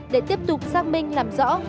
để tiếp tục xác minh làm rõ